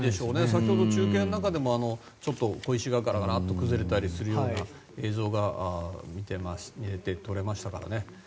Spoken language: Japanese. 先ほ継の中でも小石が崩れたりするような映像が見て取れましたからね。